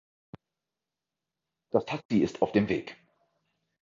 Das Taxi ist auf dem Weg.